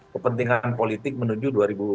kepentingan politik menuju dua ribu dua puluh